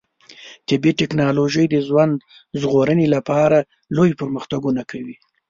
طبي ټکنالوژي د ژوند ژغورنې لپاره لوی پرمختګونه کوي.